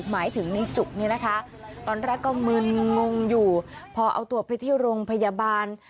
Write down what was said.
หมายถึงในจุกเนี่ยนะคะตอนแรกก็มึนงงอยู่พอเอาตัวไปที่โรงพยาบาล